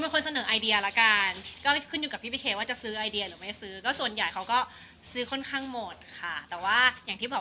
เป็นงานที่เตะสาวนี้กับพี่เดงที่ค่ะ